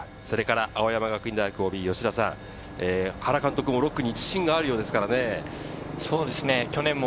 そして青山学院大学ＯＢ・吉田さん、原監督も６区に自信があるようですからね。